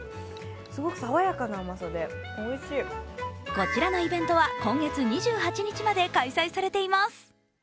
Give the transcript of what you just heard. こちらのイベントは今月２８日まで開催されています。